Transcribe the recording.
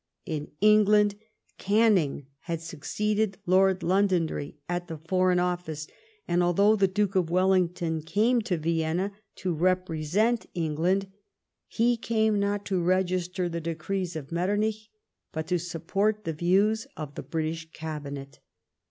In England Canning had succeeded Lord Londonderry at the Foreign Office, and although the Duke of Wellington came to Verona to represent 160 LIFE OF PBINCE METTERNICE. England, he came not to register the decrees of Mctter nich, but to support the views of the British Cabinet.